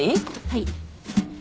はい。